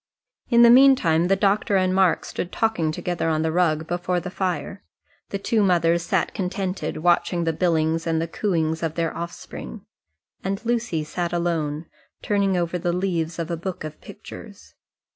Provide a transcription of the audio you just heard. In the meantime the doctor and Mark stood talking together on the rug before the fire; the two mothers sat contented, watching the billings and the cooings of their offspring and Lucy sat alone, turning over the leaves of a book of pictures.